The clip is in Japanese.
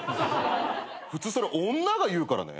普通それ女が言うからね！